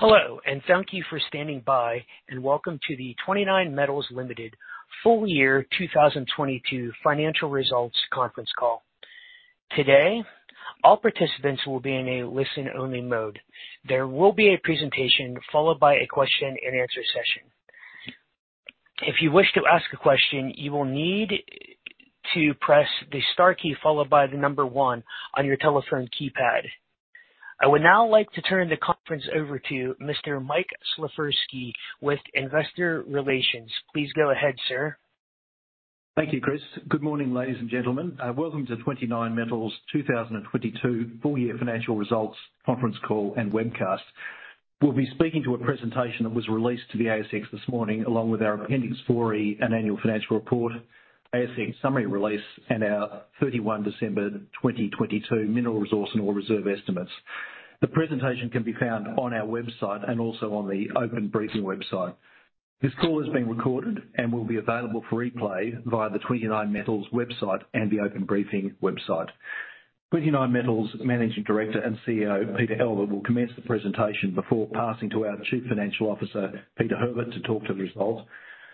Hello, thank you for standing by, and welcome to the 29Metals Limited full year 2022 financial results conference call. Today, all participants will be in a listen only mode. There will be a presentation followed by a question and answer session. If you wish to ask a question, you will need to press the star key followed by one on your telephone keypad. I would now like to turn the conference over to Mr. Mike Slifirski with investor relations. Please go ahead, sir. Thank you, Chris. Good morning, ladies and gentlemen. Welcome to 29Metals 2022 full year financial results conference call and webcast. We'll be speaking to a presentation that was released to the ASX this morning, along with our Appendix 4E and annual financial report, ASX summary release and our December 31, 2022 mineral resource and ore reserve estimates. The presentation can be found on our website and also on the Open Briefing website. This call is being recorded and will be available for replay via the 29Metals website and the open briefing website. 29Metals Managing Director and CEO, Peter Albert, will commence the presentation before passing to our Chief Financial Officer, Peter Herbert, to talk to the results,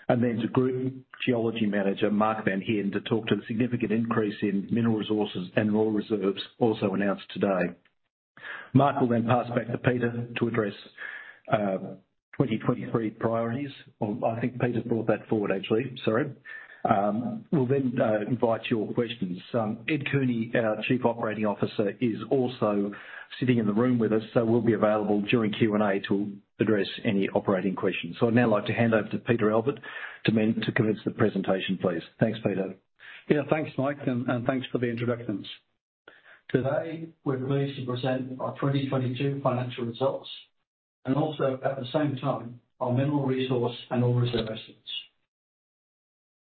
and then to Group Geology Manager, Mark van Heerden, to talk to the significant increase in mineral resources and ore reserves also announced today. Mark will then pass back to Peter to address 2023 priorities. I think Peter brought that forward actually. Sorry. We'll then invite your questions. Ed Cooney, our Chief Operating Officer, is also sitting in the room with us, so we'll be available during Q&A to address any operating questions. I'd now like to hand over to Peter Albert to commence the presentation, please. Thanks, Peter. Yeah, thanks, Mike, and thanks for the introductions. Today, we're pleased to present our 2022 financial results and also at the same time, our mineral resource and ore reserve estimates.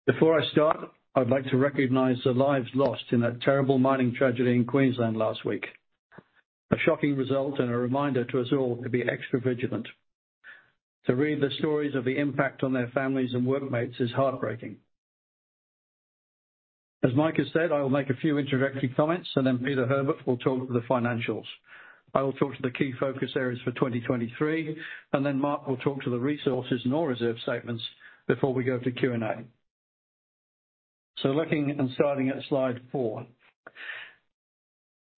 Before I start, I'd like to recognize the lives lost in that terrible mining tragedy in Queensland last week. A shocking result and a reminder to us all to be extra vigilant. To read the stories of the impact on their families and workmates is heartbreaking. As Mike has said, I will make a few introductory comments, and then Peter Herbert will talk about the financials. I will talk to the key focus areas for 2023, and then Mark will talk to the resources and ore reserve statements before we go to Q&A. Looking and starting at slide four.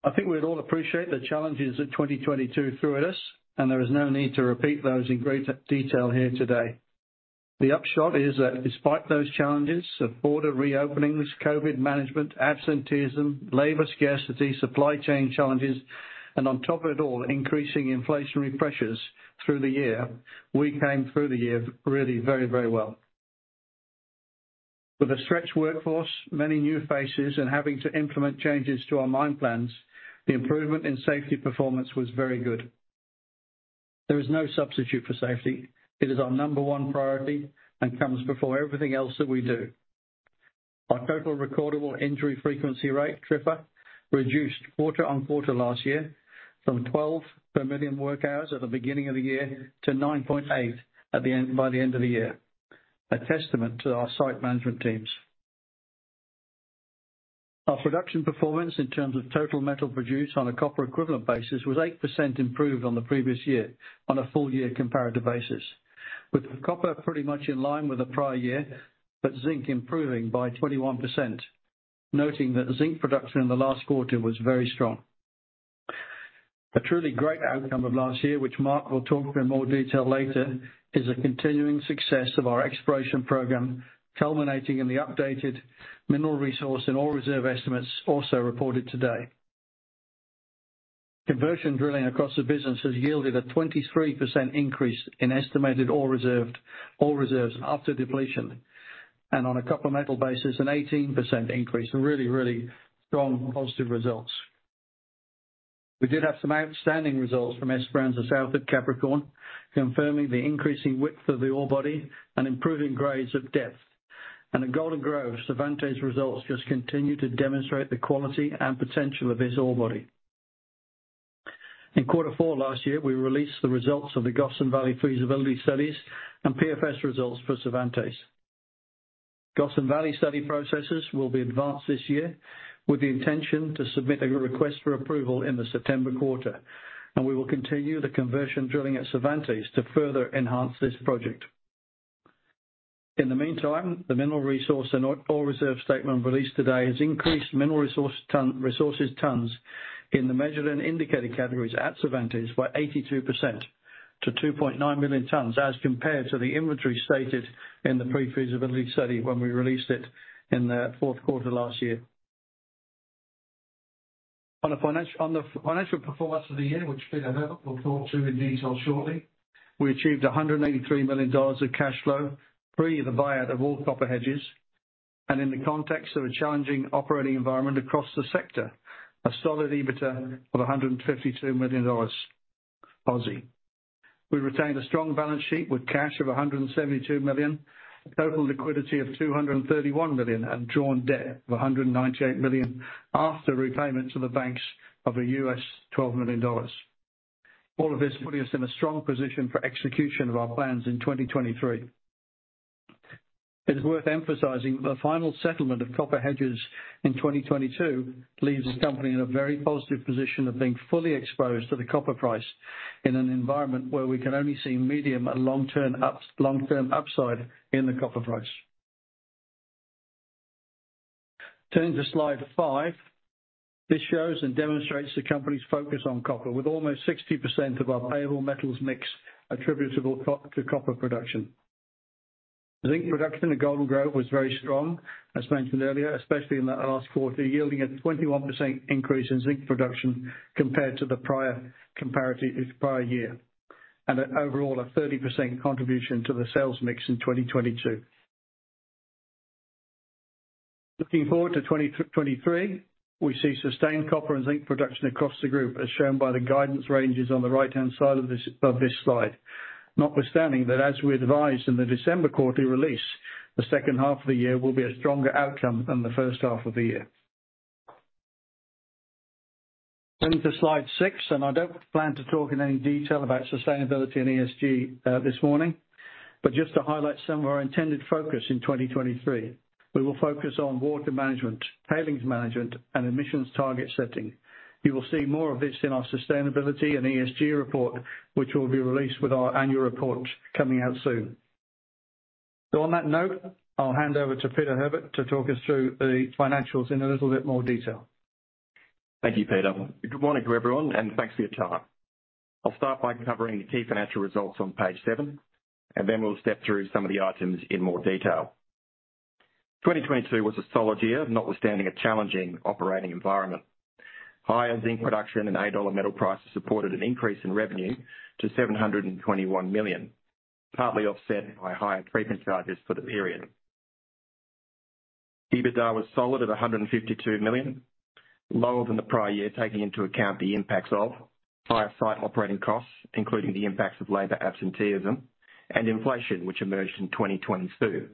I think we'd all appreciate the challenges that 2022 threw at us, and there is no need to repeat those in great detail here today. The upshot is that despite those challenges of border reopenings, COVID management, absenteeism, labor scarcity, supply chain challenges, and on top of it all, increasing inflationary pressures through the year, we came through the year really very, very well. With a stretched workforce, many new faces, and having to implement changes to our mine plans, the improvement in safety performance was very good. There is no substitute for safety. It is our number one priority and comes before everything else that we do. Our total recordable injury frequency rate, TRIFR, reduced quarter on quarter last year from 12 per million work hours at the beginning of the year to 9.8 at the end, by the end of the year. A testament to our site management teams. Our production performance in terms of total metal produced on a copper equivalent basis was 8% improved on the previous year on a full year comparative basis, with copper pretty much in line with the prior year, but zinc improving by 21%. Noting that zinc production in the last quarter was very strong. A truly great outcome of last year, which Mark will talk in more detail later, is a continuing success of our exploration program, culminating in the updated mineral resource and ore reserve estimates also reported today. Conversion drilling across the business has yielded a 23% increase in estimated ore reserves after depletion, and on a copper metal basis, an 18% increase. Really strong, positive results. We did have some outstanding results from Esperanza South at Capricorn, confirming the increasing width of the ore body and improving grades at depth. At Golden Grove, Cervantes results just continue to demonstrate the quality and potential of this ore body. In Q4 last year, we released the results of the Gossan Valley feasibility studies and PFS results for Cervantes. Gossan Valley study processes will be advanced this year with the intention to submit a request for approval in the September quarter. We will continue the conversion drilling at Cervantes to further enhance this project. In the meantime, the mineral resources tons in the measured and indicated categories at Cervantes by 82% to 2.9 million tons as compared to the inventory stated in the pre-feasibility study when we released it in the fourth quarter last year. On the financial performance of the year, which Peter Herbert will talk to in detail shortly, we achieved 183 million dollars of cash flow, free of the buyout of all copper hedges, and in the context of a challenging operating environment across the sector, a solid EBITDA of 152 million Aussie dollars. We retained a strong balance sheet with cash of 172 million, total liquidity of 231 million, and drawn debt of 198 million after repayment to the banks of $12 million. This putting us in a strong position for execution of our plans in 2023. It's worth emphasizing the final settlement of copper hedges in 2022 leaves the company in a very positive position of being fully exposed to the copper price in an environment where we can only see medium and long-term upside in the copper price. Turning to slide five. This shows and demonstrates the company's focus on copper with almost 60% of our payable metals mix attributable to copper production. Zinc production at Golden Grove was very strong, as mentioned earlier, especially in the last quarter, yielding a 21% increase in zinc production compared to the prior year, and overall, a 30% contribution to the sales mix in 2022. Looking forward to 2023, we see sustained copper and zinc production across the group, as shown by the guidance ranges on the right-hand side of this slide. Notwithstanding that, as we advised in the December quarterly release, the second half of the year will be a stronger outcome than the first half of the year. Turning to slide six, and I don't plan to talk in any detail about sustainability and ESG this morning, but just to highlight some of our intended focus in 2023. We will focus on water management, tailings management, and emissions target setting. You will see more of this in our sustainability and ESG report, which will be released with our annual report coming out soon. On that note, I'll hand over to Peter Herbert to talk us through the financials in a little bit more detail. Thank you, Peter. Good morning to everyone, and thanks for your time. I'll start by covering the key financial results on page seven, and then we'll step through some of the items in more detail. 2022 was a solid year, notwithstanding a challenging operating environment. Higher zinc production and eight-dollar metal prices supported an increase in revenue to 721 million, partly offset by higher treatment charges for the period. EBITDA was solid at 152 million, lower than the prior year, taking into account the impacts of higher site operating costs including the impacts of labor absenteeism and inflation, which emerged in 2022,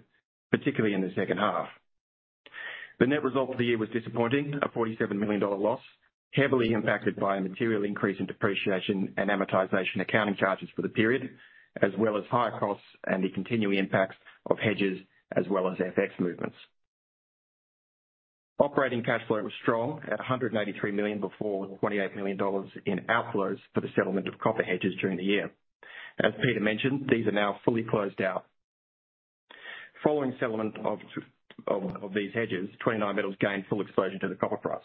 particularly in the second half. The net result for the year was disappointing, a 47 million dollar loss, heavily impacted by a material increase in depreciation and amortization accounting charges for the period, as well as higher costs and the continuing impacts of hedges as well as FX movements. Operating cash flow was strong at 183 million before 28 million dollars in outflows for the settlement of copper hedges during the year. As Peter mentioned, these are now fully closed out. Following settlement of these hedges, 29Metals gained full exposure to the copper price.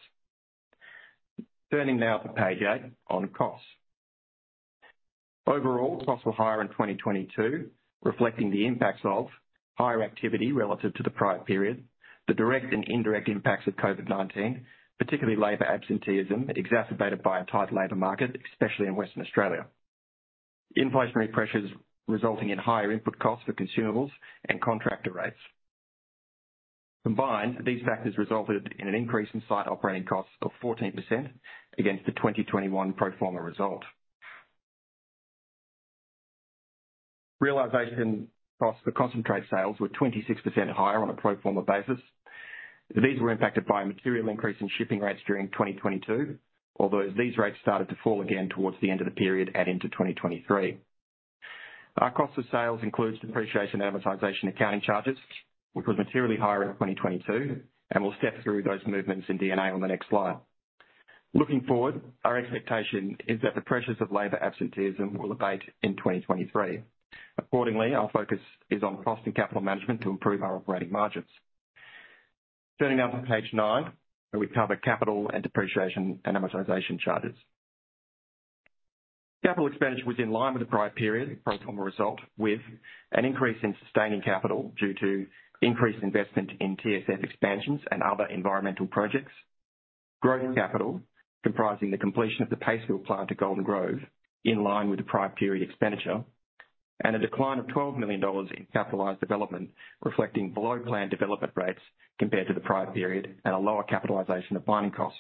Turning now to page eight on costs. Overall, costs were higher in 2022, reflecting the impacts of higher activity relative to the prior period, the direct and indirect impacts of COVID-19, particularly labor absenteeism, exacerbated by a tight labor market, especially in Western Australia. Inflationary pressures resulting in higher input costs for consumables and contractor rates. Combined, these factors resulted in an increase in site operating costs of 14% against the 2021 pro forma result. Realization costs for concentrate sales were 26% higher on a pro forma basis. These were impacted by a material increase in shipping rates during 2022, although these rates started to fall again towards the end of the period and into 2023. Our cost of sales includes Depreciation and Amortization accounting charges, which was materially higher in 2022. We'll step through those movements in D&A on the next slide. Looking forward, our expectation is that the pressures of labor absenteeism will abate in 2023. Accordingly, our focus is on cost and capital management to improve our operating margins. Turning now to page nine, where we cover capital and depreciation and amortization charges. Capital expenditure was in line with the prior period pro forma result, with an increase in sustaining capital due to increased investment in TSF expansions and other environmental projects. Growth capital, comprising the completion of the Paste Fill plant at Golden Grove, in line with the prior period expenditure, and a decline of $12 million in capitalized development, reflecting below-plan development rates compared to the prior period and a lower capitalization of mining costs.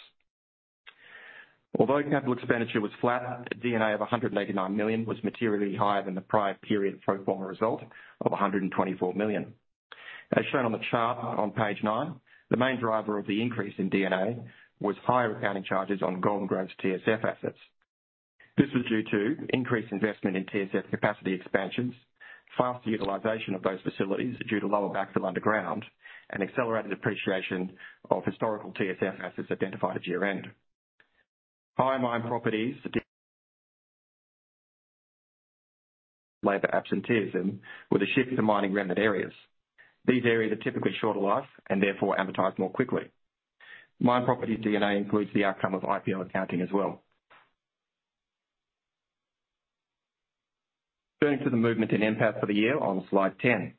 Although capital expenditure was flat, D&A of $189 million was materially higher than the prior period pro forma result of $124 million. As shown on the chart on page nine, the main driver of the increase in D&A was higher accounting charges on Golden Grove's TSF assets. This was due to increased investment in TSF capacity expansions, fast utilization of those facilities due to lower backs of underground, and accelerated depreciation of historical TSF assets identified at year end. Labor absenteeism with a shift to mining remnant areas. These areas are typically shorter life and therefore amortized more quickly. Mine property D&A includes the outcome of IPO accounting as well. Turning to the movement in NPAT for the year on slide 10.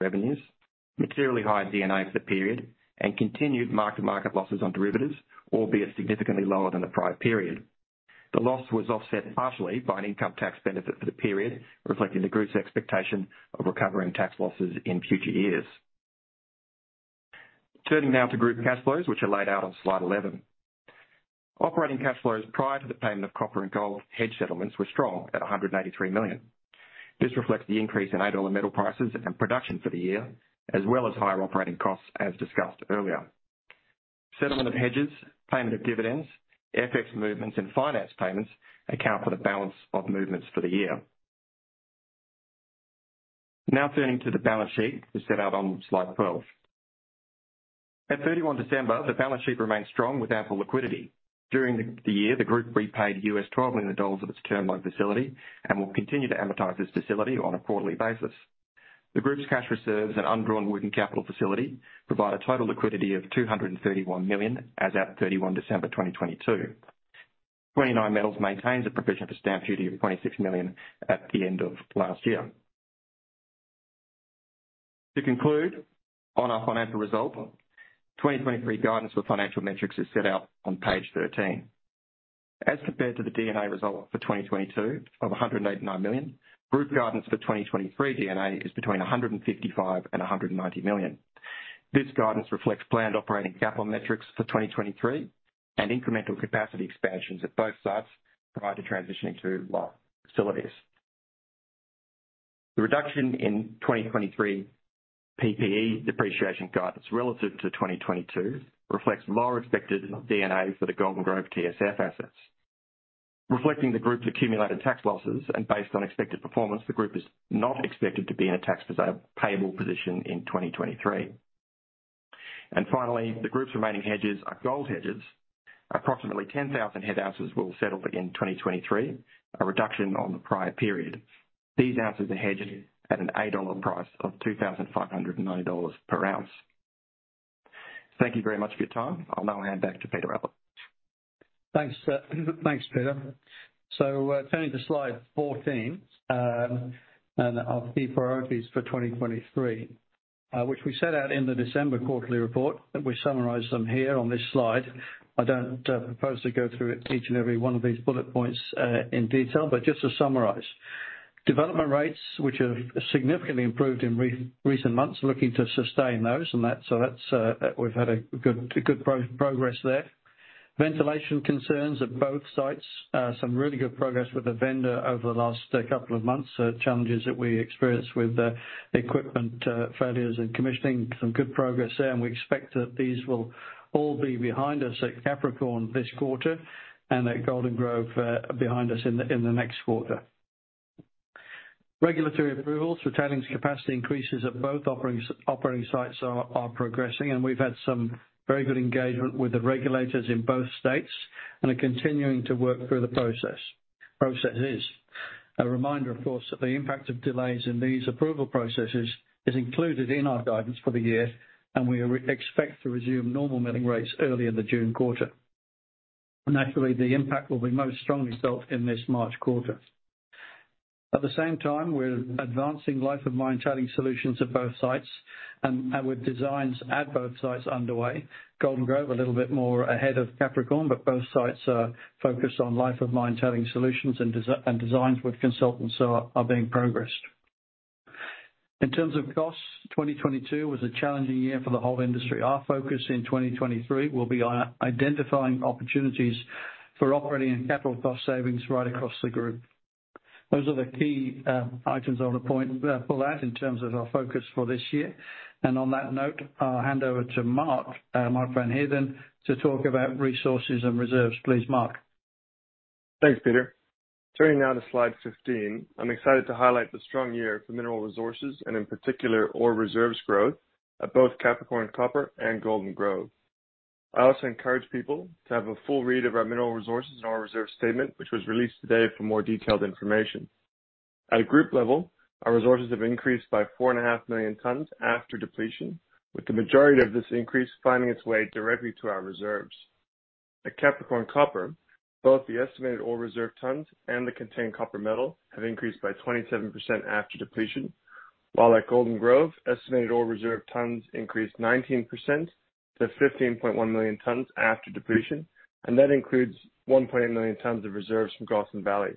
Revenues, materially high D&A for the period, and continued mark-to-market losses on derivatives, albeit significantly lower than the prior period. The loss was offset partially by an income tax benefit for the period, reflecting the group's expectation of recovering tax losses in future years. Turning now to group cash flows, which are laid out on slide 11. Operating cash flows prior to the payment of copper and gold hedge settlements were strong at 183 million. This reflects the increase in $8 metal prices and production for the year, as well as higher operating costs, as discussed earlier. Settlement of hedges, payment of dividends, FX movements and finance payments account for the balance of movements for the year. Turning to the balance sheet, as set out on slide 12. At December 31, the balance sheet remained strong with ample liquidity. During the year, the group repaid $12 million of its term loan facility and will continue to amortize this facility on a quarterly basis. The group's cash reserves and undrawn working capital facility provide a total liquidity of 231 million as at December 31, 2022. 29Metals maintains a provision for stamp duty of 26 million at the end of last year. To conclude on our financial result, 2023 guidance for financial metrics is set out on page 13. Compared to the D&A result for 2022 of 189 million, group guidance for 2023 D&A is between 155 million and 190 million. This guidance reflects planned operating capital metrics for 2023 and incremental capacity expansions at both sites prior to transitioning to live facilities. The reduction in 2023 PPE depreciation guidance relative to 2022 reflects lower expected D&A for the Golden Grove TSF assets. Reflecting the group's accumulated tax losses and based on expected performance, the group is not expected to be in a tax payable position in 2023. Finally, the group's remaining hedges are gold hedges. Approximately 10,000 hedge ounces will settle again in 2023, a reduction on the prior period. These ounces are hedged at an $8 price of $2,509 per ounce. Thank you very much for your time. I'll now hand back to Peter Albert. Thanks, thanks, Peter. Turning to slide 14, and our key priorities for 2023, which we set out in the December quarterly report, and we summarize them here on this slide. I don't propose to go through each and every one of these bullet points in detail, but just to summarize. Development rates, which have significantly improved in recent months, looking to sustain those. We've had good progress there. Ventilation concerns at both sites. Some really good progress with the vendor over the last couple of months. Challenges that we experienced with the equipment failures and commissioning some good progress there, and we expect that these will all be behind us at Capricorn this quarter and at Golden Grove, behind us in the next quarter. Regulatory approvals for tailings capacity increases at both operating sites are progressing, and we've had some very good engagement with the regulators in both states and are continuing to work through the processes. A reminder, of course, that the impact of delays in these approval processes is included in our guidance for the year, and we expect to resume normal milling rates early in the June quarter. Naturally, the impact will be most strongly felt in this March quarter. At the same time, we're advancing life of mine tailing solutions at both sites and with designs at both sites underway. Golden Grove, a little bit more ahead of Capricorn, both sites are focused on life of mine tailing solutions and designs with consultants are being progressed. In terms of costs, 2022 was a challenging year for the whole industry. Our focus in 2023 will be on identifying opportunities for operating and capital cost savings right across the group. Those are the key items I want to point, pull out in terms of our focus for this year. On that note, I'll hand over to Mark van Heerden, to talk about resources and reserves. Please, Mark. Thanks, Peter. Turning now to slide 15, I'm excited to highlight the strong year for mineral resources and, in particular, ore reserves growth at both Capricorn Copper and Golden Grove. I also encourage people to have a full read of our Mineral Resources and Ore Reserve Statement, which was released today for more detailed information. At a group level, our resources have increased by 4.5 million tons after depletion, with the majority of this increase finding its way directly to our reserves. At Capricorn Copper, both the estimated ore reserve tons and the contained copper metal have increased by 27% after depletion, while at Golden Grove, estimated ore reserve tons increased 19% to 15.1 million tons after depletion, and that includes 1.8 million tons of reserves from Gossan Valley.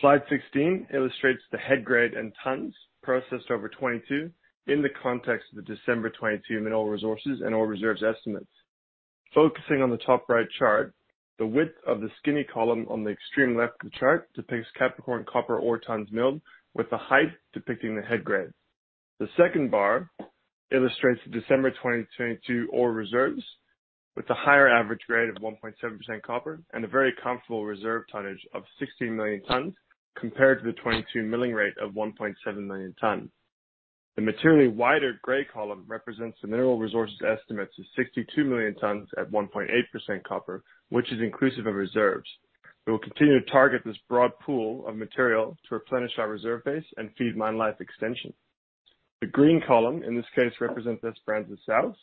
Slide 16 illustrates the head grade and tons processed over 2022 in the context of the December 2022 mineral resources and ore reserves estimates. Focusing on the top right chart, the width of the skinny column on the extreme left of the chart depicts Capricorn Copper ore tons milled, with the height depicting the head grade. The second bar illustrates the December 2022 ore reserves with a higher average grade of 1.7% copper and a very comfortable reserve tonnage of 16 million tons compared to the 2022 milling rate of 1.7 million tons. The materially wider gray column represents the mineral resources estimates of 62 million tons at 1.8% copper, which is inclusive of reserves. We will continue to target this broad pool of material to replenish our reserve base and feed mine life extension. The green column in this case represents Esperanza South,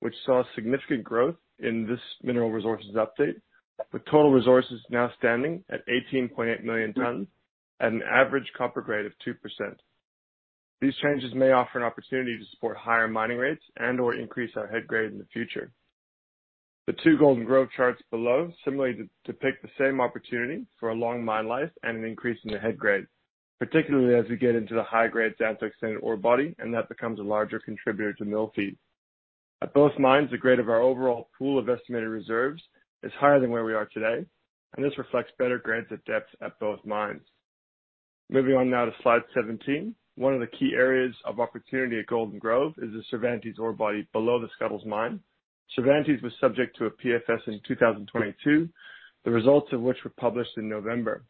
which saw significant growth in this mineral resources update, with total resources now standing at 18.8 million tons at an average copper grade of 2%. These changes may offer an opportunity to support higher mining rates and/or increase our head grade in the future. The two Golden Grove charts below similarly depict the same opportunity for a long mine life and an increase in the head grade, particularly as we get into the high grade Xantho Extended ore body, and that becomes a larger contributor to mill feed. At both mines, the grade of our overall pool of estimated reserves is higher than where we are today, and this reflects better grades at depth at both mines. Moving on now to slide 17. One of the key areas of opportunity at Golden Grove is the Cervantes ore body below the Scuddles mine. Cervantes was subject to a PFS in 2022, the results of which were published in November.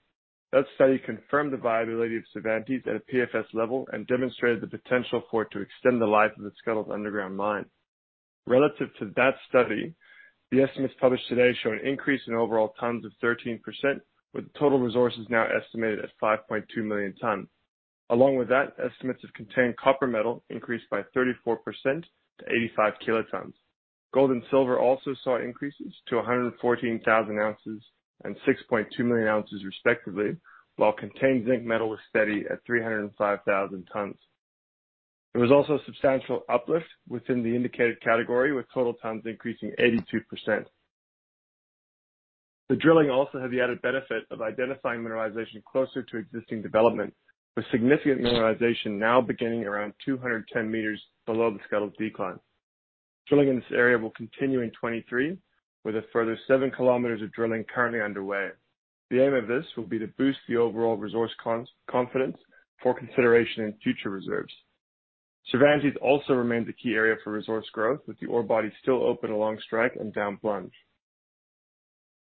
That study confirmed the viability of Cervantes at a PFS level and demonstrated the potential for it to extend the life of the Scuddles underground mine. Relative to that study, the estimates published today show an increase in overall tons of 13%, with total resources now estimated at 5.2 million tons. Along with that, estimates of contained copper metal increased by 34% to 85 kilotons. Gold and silver also saw increases to 114,000 ounces and 6.2 million ounces, respectively, while contained zinc metal was steady at 305,000 tons. There was also a substantial uplift within the indicated category, with total tons increasing 82%. The drilling also had the added benefit of identifying mineralization closer to existing development, with significant mineralization now beginning around 210 meters below the scale of decline. Drilling in this area will continue in 2023, with a further 7 km of drilling currently underway. The aim of this will be to boost the overall resource confidence for consideration in future reserves. Cervantes also remains a key area for resource growth, with the ore body still open along strike and down plunge.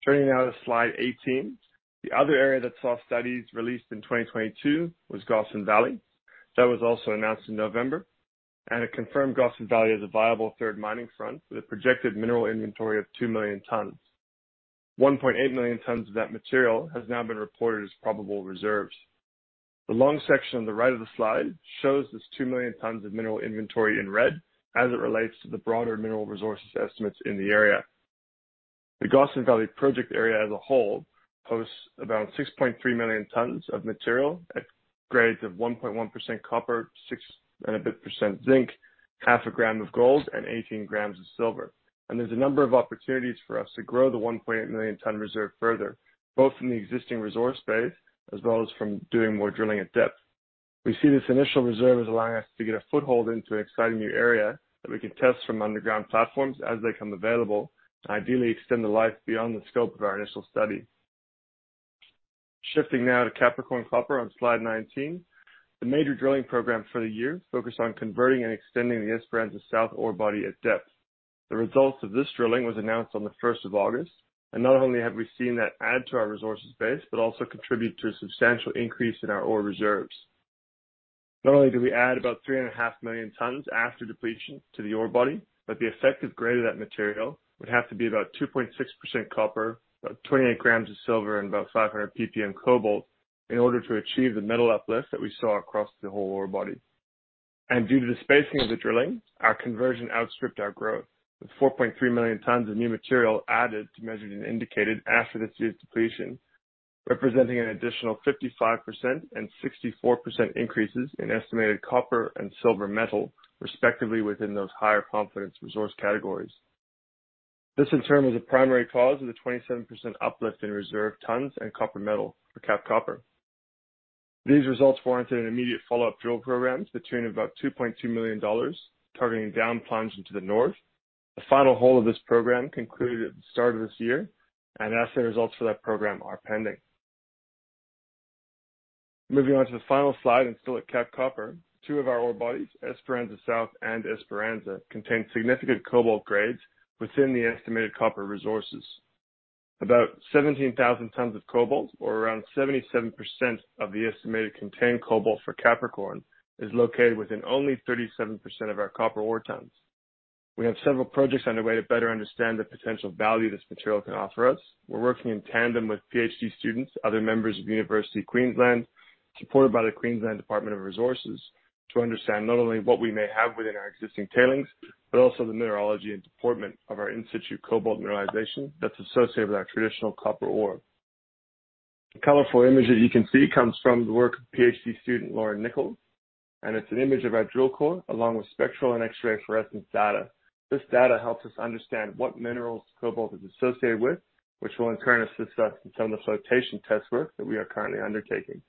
Turning now to slide 18. The other area that saw studies released in 2022 was Gossan Valley. It confirmed Gossan Valley as a viable third mining front with a projected mineral inventory of 2 million tons. 1.8 million tons of that material has now been reported as probable reserves. The long section on the right of the slide shows this 2 million tons of mineral inventory in red as it relates to the broader mineral resources estimates in the area. The Gossan Valley project area as a whole hosts about 6.3 million tons of material at grades of 1.1% copper, 6% and a bit percent zinc, half a gram of gold, and 18 grams of silver. There's a number of opportunities for us to grow the 1.8 million ton reserve further, both from the existing resource base as well as from doing more drilling at depth. We see this initial reserve as allowing us to get a foothold into an exciting new area that we can test from underground platforms as they come available and ideally extend the life beyond the scope of our initial study. Shifting now to Capricorn Copper on slide 19. The major drilling program for the year focused on converting and extending the Esperanza South orebody at depth. The results of this drilling was announced on the first of August. Not only have we seen that add to our resources base, but also contribute to a substantial increase in our ore reserves. Not only do we add about 3.5 million tons after depletion to the ore body, but the effective grade of that material would have to be about 2.6% copper, about 28 grams of silver, and about 500 PPM cobalt in order to achieve the metal uplift that we saw across the whole ore body. Due to the spacing of the drilling, our conversion outstripped our growth, with 4.3 million tons of new material added to measured and indicated after this year's depletion, representing an additional 55% and 64% increases in estimated copper and silver metal respectively within those higher confidence resource categories. This, in turn, was a primary cause of the 27% uplift in reserve tons and copper metal for Cap Copper. These results warranted an immediate follow-up drill program to the tune of about 2.2 million dollars, targeting down plunge into the north. The final hole of this program concluded at the start of this year. Asset results for that program are pending. Moving on to the final slide and still at Cap Copper. Two of our orebodies, Esperanza South and Esperanza, contain significant cobalt grades within the estimated copper resources. About 17,000 tons of cobalt, or around 77% of the estimated contained cobalt for Capricorn, is located within only 37% of our copper ore tons. We have several projects underway to better understand the potential value this material can offer us. We're working in tandem with PhD students, other members of University of Queensland, supported by the Queensland Department of Resources, to understand not only what we may have within our existing tailings, but also the mineralogy and deportment of our institute cobalt mineralization that's associated with our traditional copper ore. The colorful image that you can see comes from the work of PhD student Lauren Nichols, and it's an image of our drill core along with spectral and X-ray fluorescence data. This data helps us understand what minerals cobalt is associated with, which will in turn assist us in some of the flotation test work that we are currently undertaking.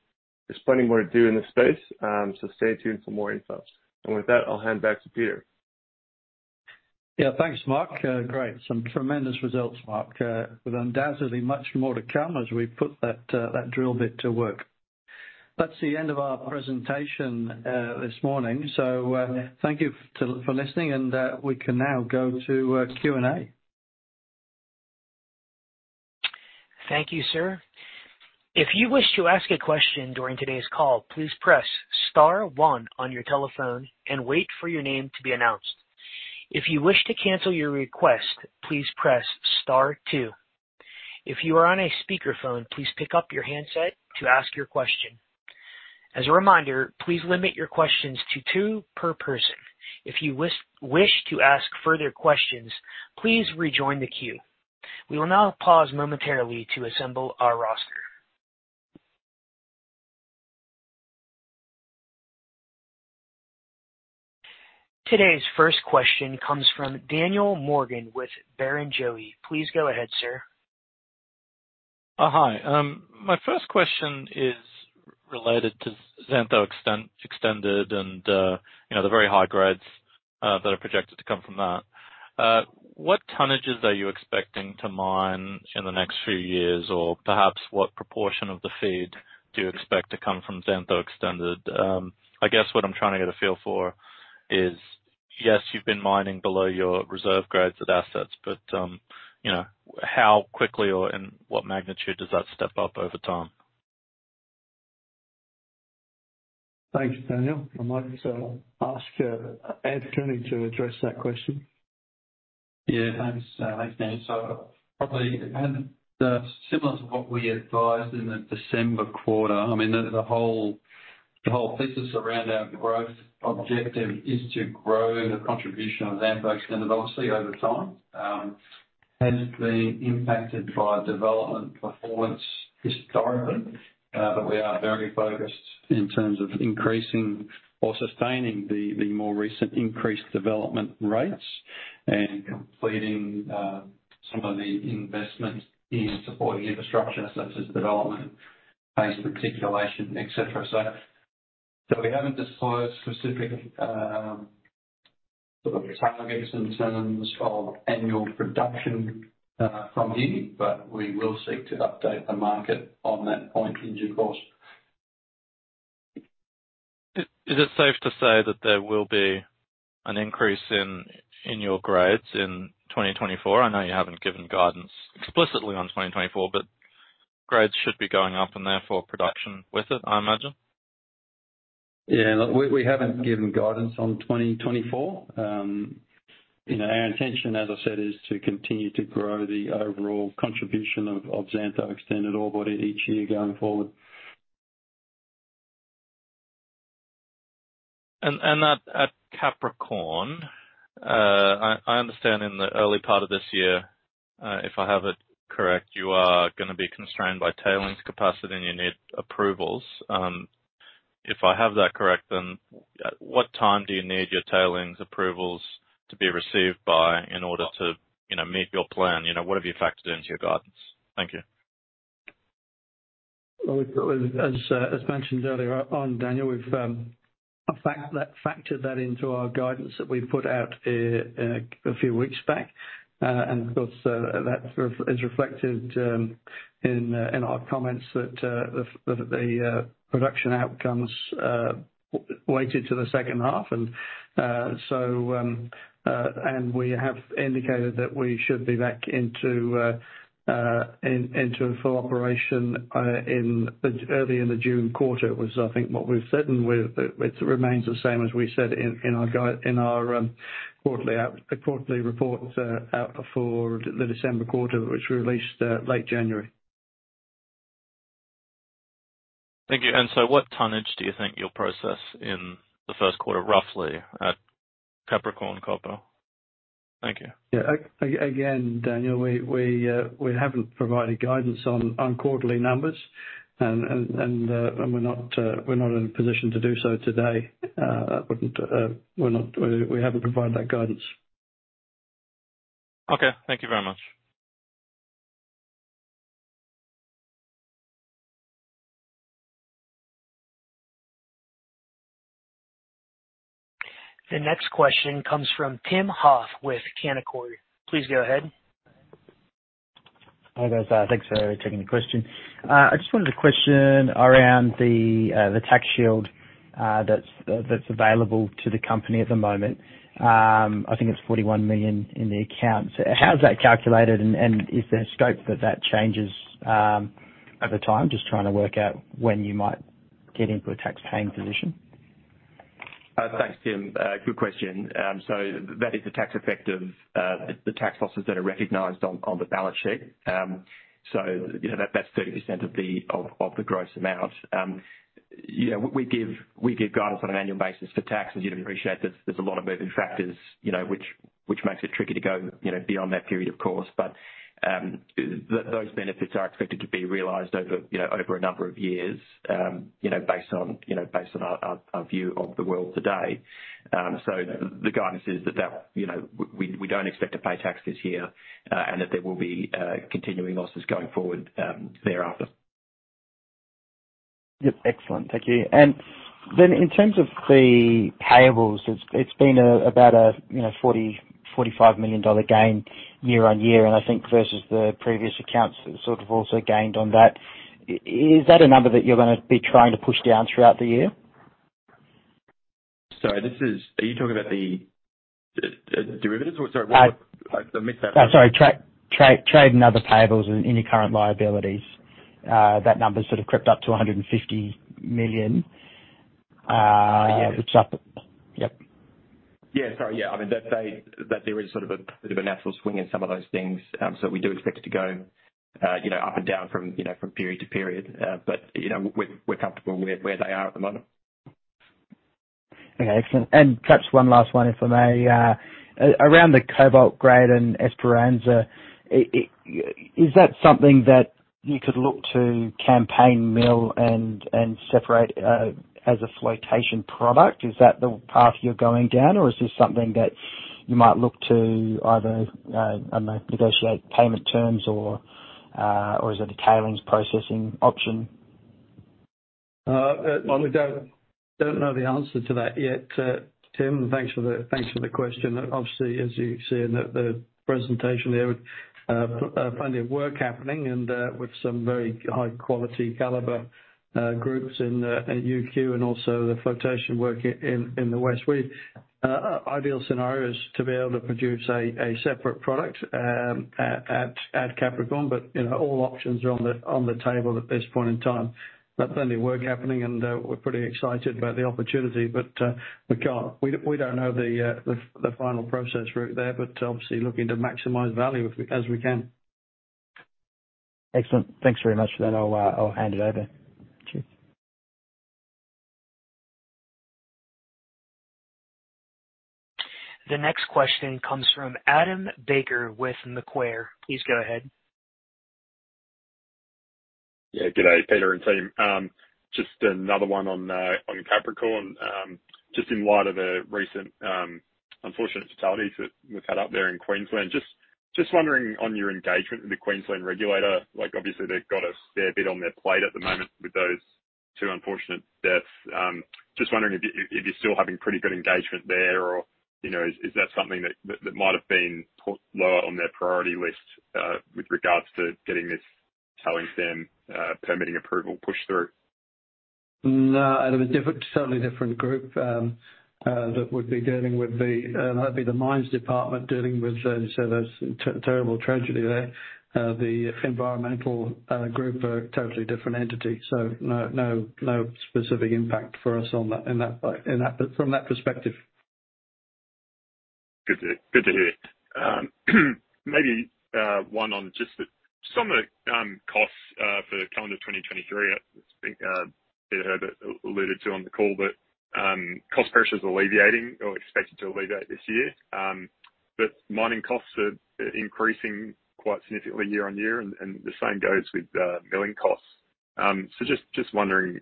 There's plenty more to do in this space. Stay tuned for more info. With that, I'll hand back to Peter. Yeah. Thanks, Mark. Great. Some tremendous results, Mark, with undoubtedly much more to come as we put that drill bit to work. That's the end of our presentation this morning. Thank you for listening and we can now go to Q&A. Thank you, sir. If you wish to ask a question during today's call, please press star one on your telephone and wait for your name to be announced. If you wish to cancel your request, please press star two. If you are on a speakerphone, please pick up your handset to ask your question. As a reminder, please limit your questions to two per person. If you wish to ask further questions, please rejoin the queue. We will now pause momentarily to assemble our roster. Today's first question comes from Daniel Morgan with Barrenjoey. Please go ahead, sir. Hi. My first question is related to Xantho Extended and the very high grades. That are projected to come from that. What tonnages are you expecting to mine in the next few years? Or perhaps what proportion of the feed do you expect to come from Xantho Extended? I guess what I'm trying to get a feel for is, yes, you've been mining below your reserve grades at assets, but how quickly or in what magnitude does that step up over time? Thanks, Daniel. I might ask Ed Cooney to address that question. Yeah, thanks. Thanks, Daniel. Probably, and, similar to what we advised in the December quarter, I mean, the whole thesis around our growth objective is to grow the contribution of Xantho Extended obviously over time. Has been impacted by development performance historically, but we are very focused in terms of increasing or sustaining the more recent increased development rates and completing some of the investment in supporting infrastructure such as development, phase reticulation, et cetera. We haven't disclosed specific sort of targets in terms of annual production from here, but we will seek to update the market on that point in due course. Is it safe to say that there will be an increase in your grades in 2024? I know you haven't given guidance explicitly on 2024, grades should be going up and therefore production with it, I imagine. Yeah. We haven't given guidance on 2024. Our intention, as I said, is to continue to grow the overall contribution of Xantho Extended ore body each year going forward. At Capricorn, I understand in the early part of this year, if I have it correct, you are gonna be constrained by tailings capacity, and you need approvals. If I have that correct, then at what time do you need your tailings approvals to be received by in order to meet your plan? You know, what have you factored into your guidance? Thank you. Well, as mentioned earlier on, Daniel, we've factored that into our guidance that we put out a few weeks back. Of course, that is reflected in our comments that the production outcomes weighted to the second half. And we have indicated that we should be back into full operation early in the June quarter, was I think what we've said, and it remains the same as we said in our quarterly report out before the December quarter, which we released late January. Thank you. What tonnage do you think you'll process in the first quarter, roughly at Capricorn Copper? Thank you. Yeah. Again, Daniel, we haven't provided guidance on quarterly numbers and we're not in a position to do so today. We haven't provided that guidance. Okay. Thank you very much. The next question comes from Tim Huff with Canaccord. Please go ahead. Hi, guys. Thanks for taking the question. I just wanted to question around the tax shield that's that's available to the company at the moment. I think it's 41 million in the account. How is that calculated, and is there scope that changes over time? Just trying to work out when you might get into a tax paying position. Thanks, Tim. Good question. That is the tax effect of the tax losses that are recognized on the balance sheet. That's 30% of the gross amount. We give guidance on an annual basis for taxes. You'd appreciate there's a lot of moving factors which makes it tricky to go, you know, beyond that period, of course. Those benefits are expected to be realized over, over a number of years based on, you know, based on our view of the world today. The guidance is that we don't expect to pay tax this year, and that there will be continuing losses going forward thereafter. Yep. Excellent. Thank you. Then in terms of the payables, it's been about a, you know, 40 million-45 million dollar gain year-on-year. I think versus the previous accounts sort of also gained on that. Is that a number that you're gonna be trying to push down throughout the year? Are you talking about the derivatives or sorry, what? I missed that one. Sorry. Trade and other payables in your current liabilities. That number sort of crept up to 150 million. Yeah. Which is up. Yep. Yeah. Sorry. Yeah. I mean, that there is sort of a, bit of a natural swing in some of those things. We do expect it to go up and down from, you know, from period to period. We're comfortable where they are at the moment. Okay. Excellent. Perhaps one last one, if I may. around the cobalt grade and Esperanza. Is that something that you could look to campaign mill and separate as a flotation product? Is that the path you're going down, or is this something that you might look to either, I don't know, negotiate payment terms or is it a tailings processing option? Well, we don't know the answer to that yet, Tim. Thanks for the question. Obviously, as you see in the presentation there, plenty of work happening and with some very high quality caliber groups in at U.K., and also the flotation work in the West. Ideal scenario is to be able to produce a separate product at Capricorn, but all options are on the table at this point in time. Plenty work happening, and we're pretty excited about the opportunity. We don't know the final process route there, but obviously looking to maximize value as we can. Excellent. Thanks very much for that. I'll hand it over. Cheers. The next question comes from Adam Baker with Macquarie. Please go ahead. Good day, Peter and team. Just another one on Capricorn. Just in light of the recent unfortunate fatalities that we've had up there in Queensland, just wondering on your engagement with the Queensland regulator, like obviously they've got a fair bit on their plate at the moment with those two unfortunate deaths. Just wondering if you're still having pretty good engagement there or is that something that might have been put lower on their priority list with regards to getting this Tailings Storage Facility permitting approval pushed through? No, Adam. A different, certainly different group, that would be the Mines Department dealing with, as you say, those terrible tragedy there. The environmental group are totally different entity. No specific impact for us on that from that perspective. Good to hear it. Maybe one on just some of the costs for calendar 2023. I think Peter Herbert alluded to on the call that cost pressures alleviating or expected to alleviate this year. Mining costs are increasing quite significantly year-on-year and the same goes with milling costs. Just wondering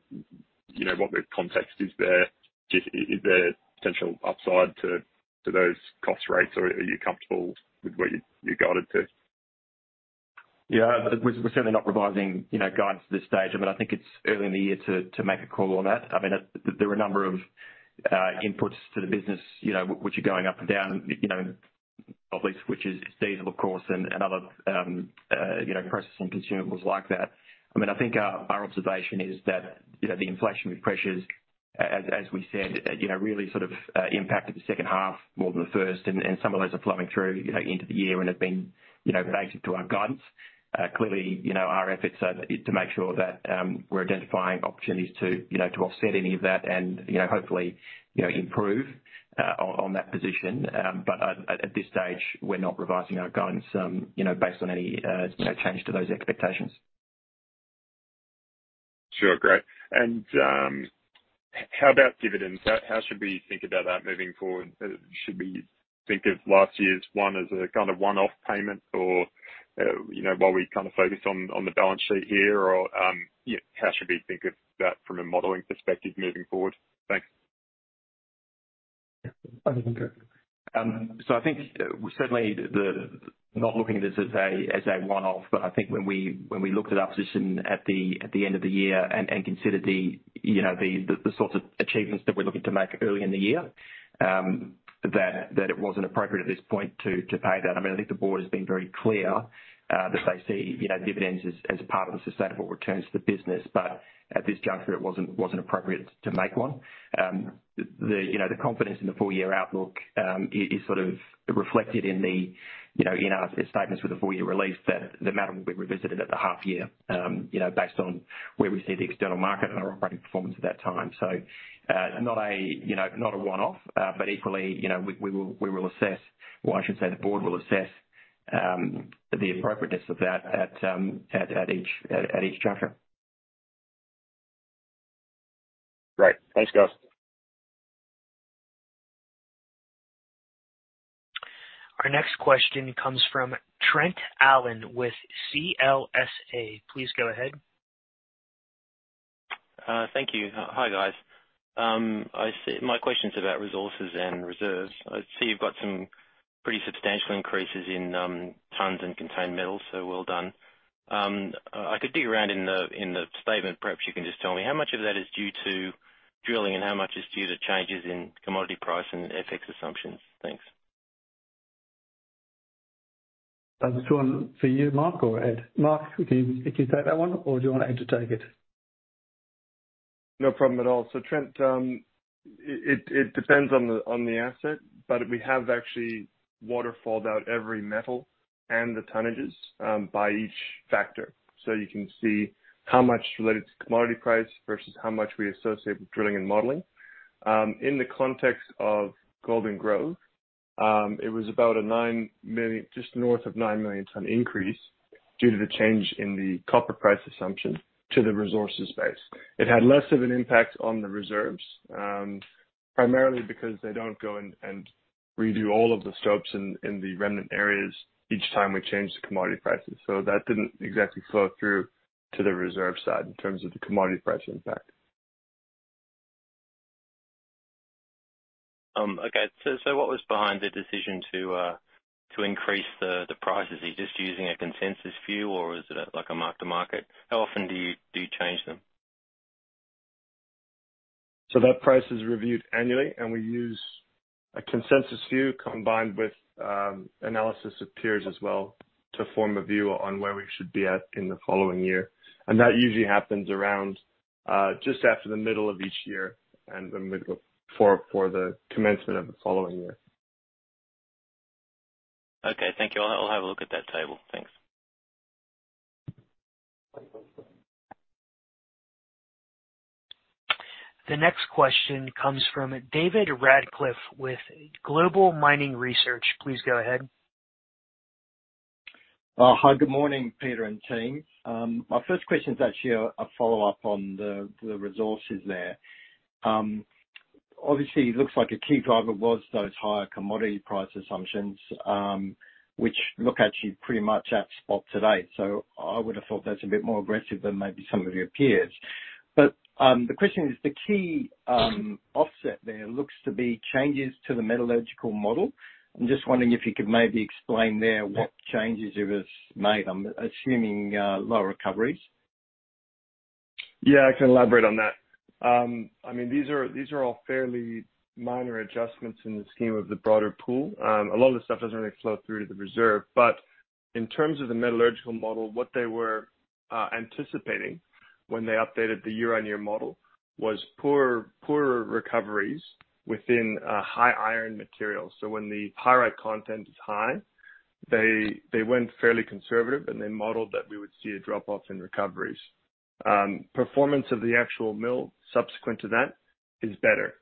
what the context is there. Just is there potential upside to those cost rates or are you comfortable with where you guided to? Yeah. We're certainly not revising, you know, guidance at this stage. I mean, I think it's early in the year to make a call on that. I mean, there are a number of inputs to the business, you know, which are going up and down obviously, which is diesel of course and other, you know, processing consumables like that. I mean, I think our observation is that the inflationary pressures, as we said, you know, really sort of impacted the second half more than the first. Some of those are flowing through into the year and have been, you know, baked into our guidance. Clearly, our efforts are to make sure that, we're identifying opportunities to, you know, to offset any of that and, you know, hopefully, you know, improve, on that position. At, at this stage, we're not revising our guidance based on any change to those expectations. Sure. Great. How about dividends? How should we think about that moving forward? Should we think of last year's one as a kind of one-off payment or, you know, while we kind of focus on the balance sheet here or, how should we think of that from a modeling perspective moving forward? Thanks. Over to you, Ed. I think certainly the, not looking at this as a, as a one-off, but I think when we, when we looked at our position at the, at the end of the year and considered the, you know, the sorts of achievements that we're looking to make early in the year, that it wasn't appropriate at this point to pay that. I mean, I think the board has been very clear, that they see, you know, dividends as a part of the sustainable returns to the business. At this juncture, it wasn't appropriate to make one. The confidence in the full year outlook, is sort of reflected in the in our statements with the full year release that the matter will be revisited at the half year based on where we see the external market and our operating performance at that time. Not a, you know, not a one-off, but equally, you know, we will assess or I should say the board will assess, the appropriateness of that at each juncture. Great. Thanks guys. Our next question comes from Trent Allen with CLSA. Please go ahead. Thank you. Hi, guys. My question's about resources and reserves. I see you've got some pretty substantial increases in tons and contained metals, well done. I could dig around in the statement. Perhaps you can just tell me how much of that is due to drilling and how much is due to changes in commodity price and FX assumptions? Thanks. This one for you, Mark or Ed? Mark, if you, if you take that one or do you want Ed to take it? No problem at all. Trent, it depends on the asset, but we have actually waterfalled out every metal and the tonnages by each factor. You can see how much related to commodity price versus how much we associate with drilling and modeling. In the context of Golden Grove, it was about a 9 million, just north of 9 million ton increase due to the change in the copper price assumption to the resources base. It had less of an impact on the reserves, primarily because they don't go and redo all of the stopes in the remnant areas each time we change the commodity prices. That didn't exactly flow through to the reserve side in terms of the commodity price impact. Okay. What was behind the decision to increase the prices? Are you just using a consensus view or is it like a mark-to-market? How often do you change them? That price is reviewed annually, and we use a consensus view combined with analysis of peers as well to form a view on where we should be at in the following year. That usually happens around just after the middle of each year and the middle for the commencement of the following year. Okay. Thank you. I'll have a look at that table. Thanks. The next question comes from David Radclyffe with Global Mining Research. Please go ahead. Hi. Good morning, Peter and team. My first question is actually a follow-up on the resources there. Obviously, it looks like a key driver was those higher commodity price assumptions, which look actually pretty much at spot to date. I would have thought that's a bit more aggressive than maybe some of your peers. The question is the key offset there looks to be changes to the metallurgical model. I'm just wondering if you could maybe explain there what changes you have made I'm assuming low recoveries? Yeah, I can elaborate on that. I mean, these are all fairly minor adjustments in the scheme of the broader pool. A lot of the stuff doesn't really flow through to the reserve. In terms of the metallurgical model, what they were anticipating when they updated the year-on-year model was poorer recoveries within a high iron material. When the pyrite content is high, they went fairly conservative, and they modeled that we would see a drop-off in recoveries. Performance of the actual mill subsequent to that is better.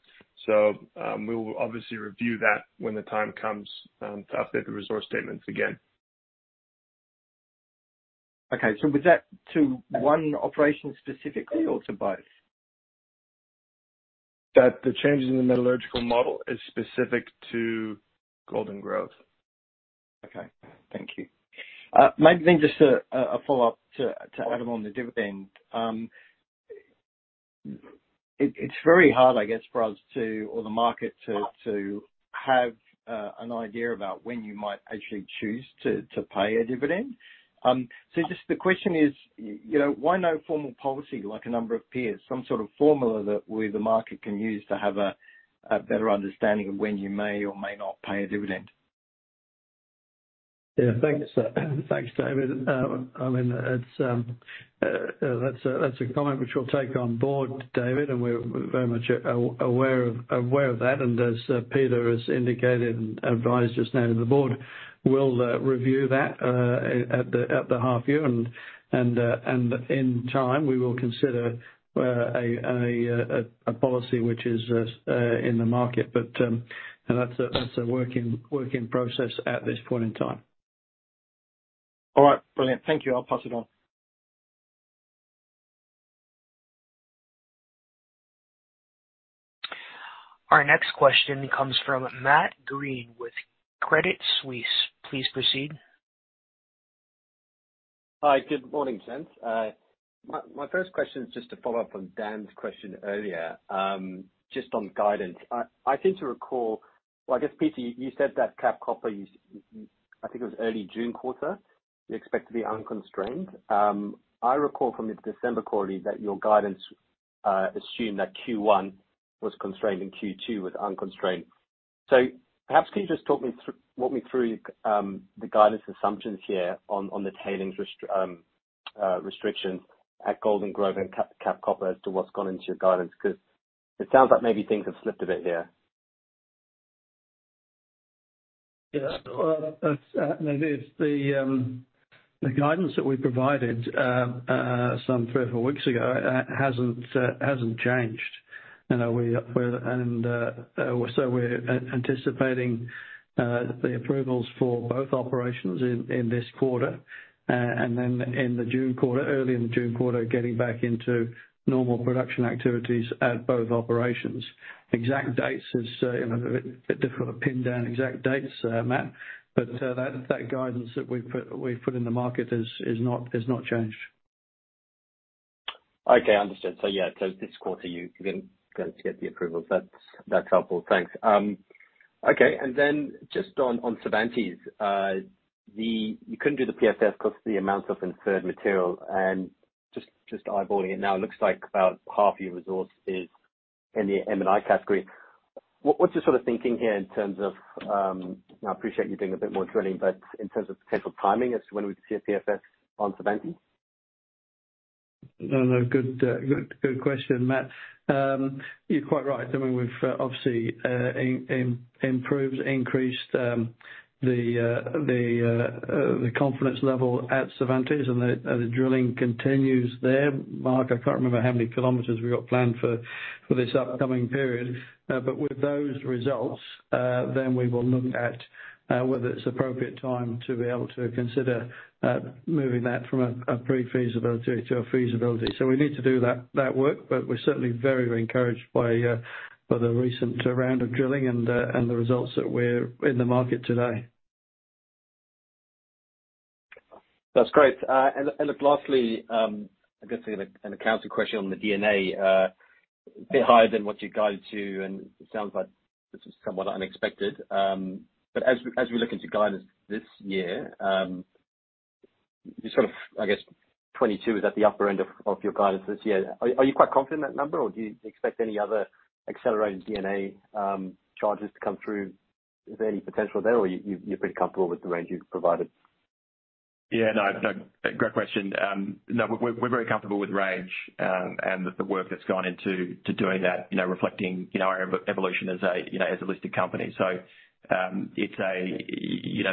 We'll obviously review that when the time comes to update the resource statements again. Okay. Was that to one operation specifically or to both? That the changes in the metallurgical model is specific to Golden Grove. Okay. Thank you. Maybe just a follow-up to Adam on the dividend. It's very hard, I guess, for us to, or the market to have an idea about when you might actually choose to pay a dividend. Just the question is why no formal policy like a number of peers, some sort of formula that we, the market can use to have a better understanding of when you may or may not pay a dividend? Yeah. Thanks, thanks, David. I mean, it's, that's a, that's a comment which we'll take on board, David, and we're very much aware of that. As Peter has indicated and advised just now to the board, we'll review that at the half year. In time, we will consider a policy which is in the market. That's a work in process at this point in time. All right. Brilliant. Thank you. I'll pass it on. Our next question comes from Matt Greene with Credit Suisse. Please proceed. Hi. Good morning, gents. My first question is just to follow up on Dan's question earlier, just on guidance. I seem to recall. Well, I guess, Peter, you said that Capricorn Copper is, I think it was early June quarter, you expect to be unconstrained. I recall from the December quarter that your guidance assumed that Q1 was constrained and Q2 was unconstrained. Perhaps can you just talk me through, walk me through the guidance assumptions here on the tailings restrictions at Golden Grove and Capricorn Copper as to what's gone into your guidance? 'Cause it sounds like maybe things have slipped a bit here. Yeah. Well, that's, maybe it's the guidance that we provided, some three or four weeks ago, hasn't changed. We're anticipating the approvals for both operations in this quarter, and then in the June quarter, early in the June quarter, getting back into normal production activities at both operations. Exact dates is, you know, a bit difficult to pin down exact dates, Matt, but, that guidance that we've put in the market is not changed. Okay. Understood. This quarter, you are going to get the approvals. That's helpful. Thanks. Okay. Just on Cervantes, you couldn't do the PFS because the amount of inferred material and just eyeballing it now, it looks like about half your resource is in the M&I category. What's your sort of thinking here in terms of, I appreciate you doing a bit more drilling, but in terms of potential timing as to when we could see a PFS on Cervantes? No, no. Good, good question, Matt. You're quite right. I mean, we've obviously improved, increased the confidence level at Cervantes, and the drilling continues there. Mark, I can't remember how many kilometers we've got planned for this upcoming period. With those results, then we will look at whether it's appropriate time to be able to consider moving that from a pre-feasibility to a feasibility. We need to do that work, but we're certainly very encouraged by the recent round of drilling and the results that we're in the market today. That's great. Look, lastly, I guess an accounting question on the D&A, a bit higher than what you guided to, and it sounds like this is somewhat unexpected. As we look into guidance this year, I guess 22 is at the upper end of your guidance this year. Are you quite confident in that number, or do you expect any other accelerated D&A charges to come through? Is there any potential there, or you're pretty comfortable with the range you've provided? Yeah, no. Great question. No, we're very comfortable with range, and with the work that's gone into, to doing that, you know, reflecting, you know, our evolution as a, you know, as a listed company. It's a,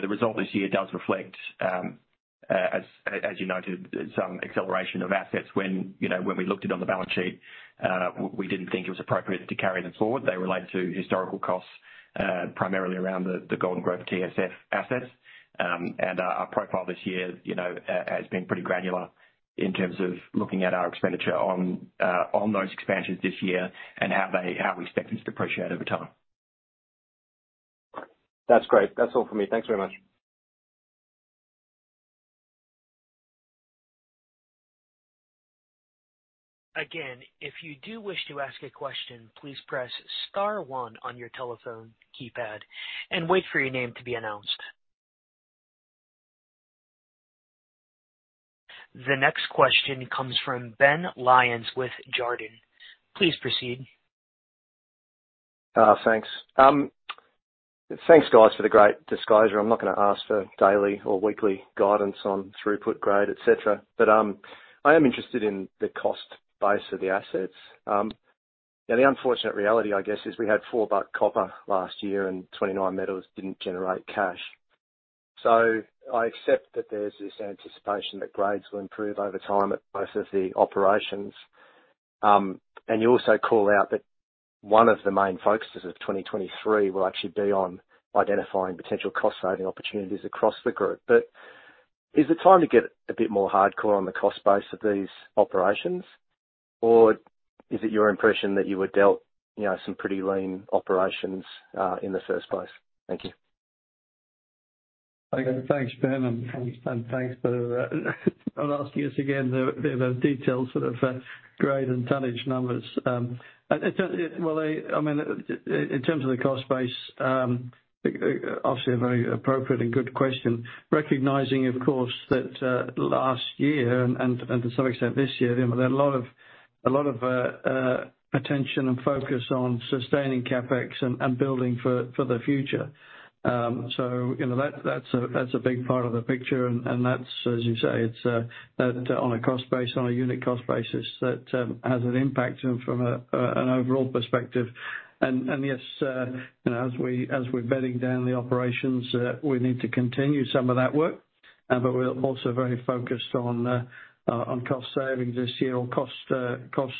the result this year does reflect, as you noted, some acceleration of assets. When, you know, when we looked at it on the balance sheet, we didn't think it was appropriate to carry them forward. They relate to historical costs, primarily around the Golden Grove TSF assets. Our, our profile this year, you know, has been pretty granular in terms of looking at our expenditure on those expansions this year and how they, how we expect them to depreciate over time. That's great. That's all from me. Thanks very much. Again, if you do wish to ask a question, please press star one on your telephone keypad and wait for your name to be announced. The next question comes from Ben Lyons with Jarden. Please proceed. Thanks. Thanks guys, for the great disclosure. I'm not gonna ask for daily or weekly guidance on throughput grade, et cetera. I am interested in the cost base of the assets. Now the unfortunate reality, I guess, is we had $4 copper last year and 29Metals didn't generate cash. I accept that there's this anticipation that grades will improve over time at most of the operations. You also call out that one of the main focuses of 2023 will actually be on identifying potential cost-saving opportunities across the group. Is it time to get a bit more hardcore on the cost base of these operations, or is it your impression that you were dealt, you know, some pretty lean operations in the first place? Thank you. Thanks. Thanks, Ben. Thanks for asking us again the detailed sort of grade and tonnage numbers. Well, I mean, in terms of the cost base, obviously a very appropriate and good question. Recognizing, of course, that last year and to some extent this year, there's been a lot of attention and focus on sustaining CapEx and building for the future. You know, that's a big part of the picture and that's, as you say, it's that on a cost base, on a unit cost basis, that has an impact from an overall perspective. Yes, you know, as we're bedding down the operations, we need to continue some of that work. We're also very focused on cost savings this year or cost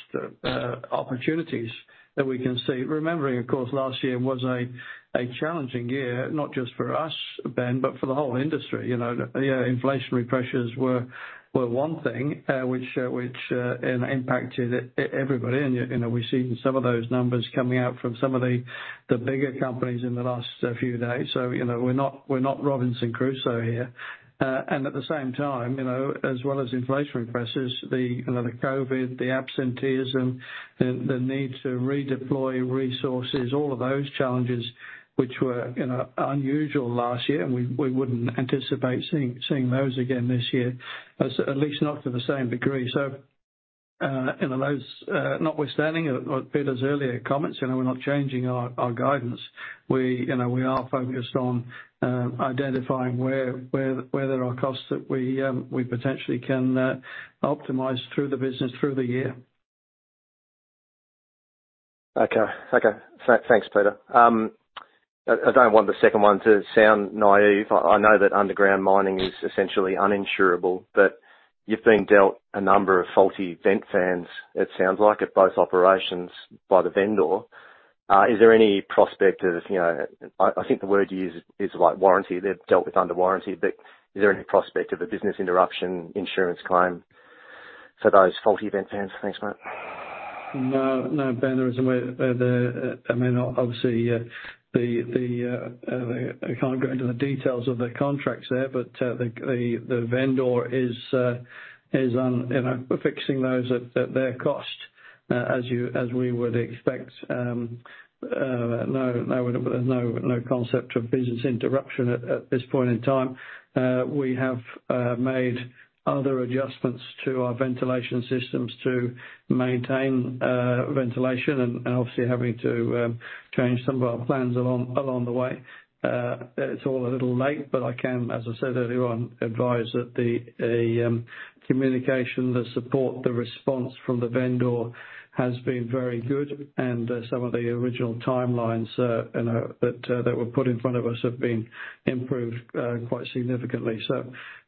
opportunities that we can see. Remembering, of course, last year was a challenging year, not just for us, Ben, but for the whole industry. You know, the inflationary pressures were one thing, which impacted everybody. You know, we've seen some of those numbers coming out from some of the bigger companies in the last few days. You know, we're not Robinson Crusoe here. At the same time, you know, as well as inflationary pressures, you know, the COVID, the absenteeism, the need to redeploy resources, all of those challenges which were, you know, unusual last year, and we wouldn't anticipate seeing those again this year, at least not to the same degree. Those, notwithstanding Peter's earlier comments, you know, we're not changing our guidance. We, you know, we are focused on identifying where there are costs that we potentially can optimize through the business through the year. Thanks, Peter. I don't want the second one to sound naive. I know that underground mining is essentially uninsurable. You've been dealt a number of faulty vent fans, it sounds like, at both operations by the vendor. Is there any prospect of, you know, I think the word you used is, like, warranty. They're dealt with under warranty. Is there any prospect of a business interruption insurance claim for those faulty vent fans? Thanks, mate. No. Ben. There isn't. I mean, obviously, I can't go into the details of the contracts there, but the vendor is, you know, fixing those at their cost, as you, as we would expect. No, there's no concept of business interruption at this point in time. We have made other adjustments to our ventilation systems to maintain ventilation and obviously having to change some of our plans along the way. It's all a little late, but I can, as I said earlier on, advise that the communication, the support, the response from the vendor has been very good and some of the original timelines, you know, that were put in front of us have been improved quite significantly.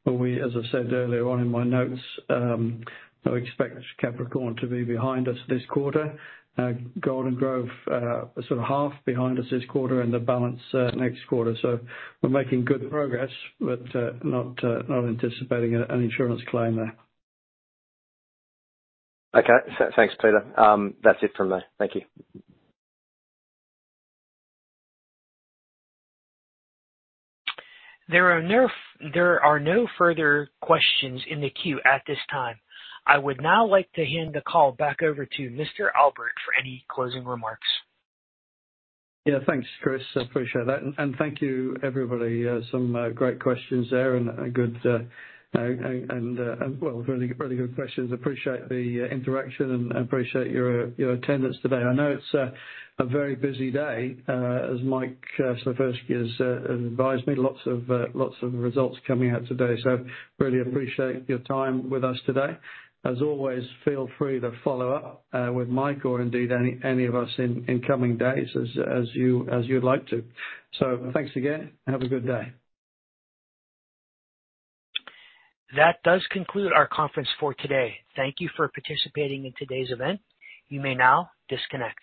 When we, as I said earlier on in my notes, I expect Capricorn to be behind us this quarter. Golden Grove, sort of half behind us this quarter and the balance next quarter. We're making good progress, but not anticipating an insurance claim there. Okay. Thanks, Peter. That's it from me. Thank you. There are no further questions in the queue at this time. I would now like to hand the call back over to Mr. Albert for any closing remarks. Yeah. Thanks, Chris. I appreciate that, and thank you everybody. Some great questions there and good and well, really good questions. Appreciate the interaction and appreciate your attendance today. I know it's a very busy day as Mike Slifirski has advised me. Lots of results coming out today. Really appreciate your time with us today. As always, feel free to follow up with Mike or indeed any of us in coming days as you'd like to. Thanks again. Have a good day. That does conclude our conference for today. Thank you for participating in today's event. You may now disconnect.